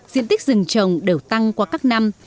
diện tích rừng trồng đều tăng qua các năm